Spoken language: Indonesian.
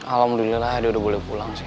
alhamdulillah dia udah boleh pulang sih